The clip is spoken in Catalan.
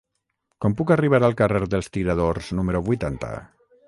Com puc arribar al carrer dels Tiradors número vuitanta?